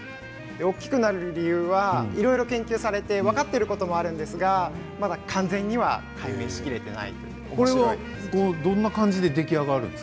大きくなる理由はいろいろ研究されて分かっていることもあるんですがまだ完全には解明しきれていないです。